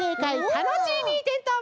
タノチーミーてんとう